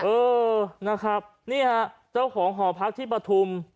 เออนะครับนี่ฮะเจ้าของหอพักที่ปฐุม